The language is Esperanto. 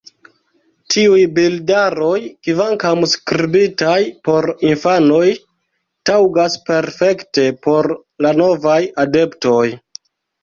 Tiuj bildaroj, kvankam skribitaj por infanoj, taŭgas perfekte por la novaj adeptoj.